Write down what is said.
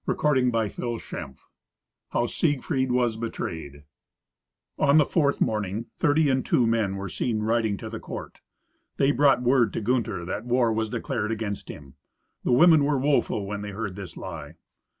Fifteenth Adventure How Siegfried Was Betrayed On the fourth morning, thirty and two men were seen riding to the court. They brought word to Gunther that war was declared against him. The women were woeful when they heard this lie.